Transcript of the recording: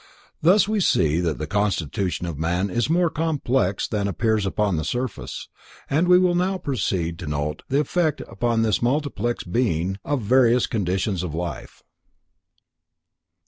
Thus we see that the constitution of man is more complex than appears upon the surface, and we will now proceed to note the effect upon this multiplex being of various conditions of life.